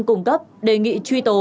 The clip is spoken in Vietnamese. cung cấp đề nghị truy tố